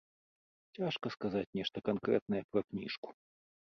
Цяжка сказаць нешта канкрэтнае пра кніжку.